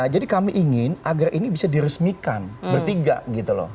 jadi kami ingin agar ini bisa diresmikan bertiga gitu loh